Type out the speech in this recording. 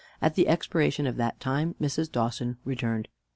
At the expiration of that time Mrs. Dawson returned.